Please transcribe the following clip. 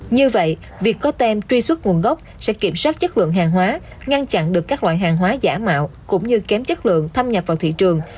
như vậy việc có tem truy xuất nguồn gốc sẽ kiểm soát chất lượng hàng hóa ngăn chặn được các loại hàng hóa giả mạo cũng như kém chất lượng thâm nhập vào thị trường